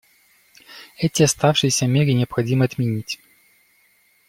Эти оставшиеся меры необходимо отменить.